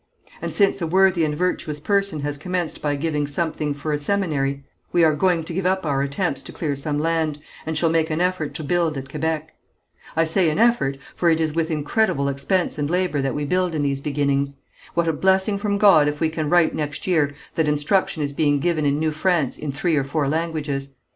And, since a worthy and virtuous person has commenced by giving something for a seminary we are going to give up our attempts to clear some land, and shall make an effort to build at Kébec. I say an effort, for it is with incredible expense and labour that we build in these beginnings. What a blessing from God if we can write next year that instruction is being given in New France in three or four languages.